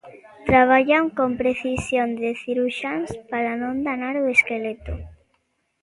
Traballan con precisión de cirurxiáns para non danar o esqueleto.